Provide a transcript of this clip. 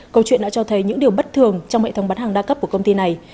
câu chuyện đã cho thấy những điều bất thường trong hệ thống bán hàng đa cấp của công ty này